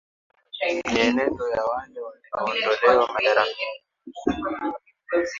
mienendo ya wale walioondolewa madarakani